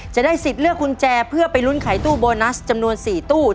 จะได้สิทธิ์เลือกกุญแจเพื่อไปลุ้นไขตู้โบนัสจำนวน๔ตู้